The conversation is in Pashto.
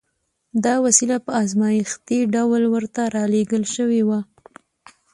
دا وسیله په ازمایښتي ډول ورته را لېږل شوې وه